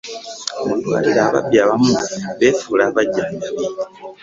Mu ddwaliro ababbi abamu befula bajjanjabi.